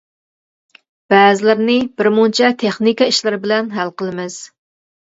بەزىلىرىنى بىرمۇنچە تېخنىكا ئىشلىرى بىلەن ھەل قىلىمىز.